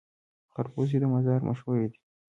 خربوزې د مزار مشهورې دي